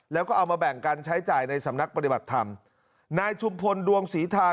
แล้วก็เอามาแบ่งกันใช้จ่ายในสำนักปฏิบัติธรรมนายชุมพลดวงศรีธา